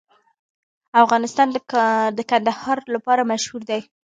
افغانستان د کندهار لپاره مشهور دی.